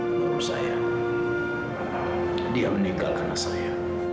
menurut saya dia meninggal karena saya